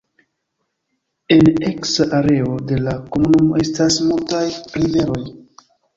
En eksa areo de la komunumo estas multaj riveroj.